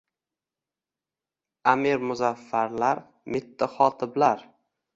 Amir Muzaffarlar – mitti xotiblar.